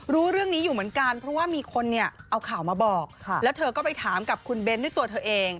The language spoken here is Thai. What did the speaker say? รู้เรื่องนี้อยู่เหมือนกันเพราะว่ามีคนเนี่ยเอาข่าวมาบอกแล้วเธอก็ไปถามกับคุณเบ้นด้วยตัวเธอเอง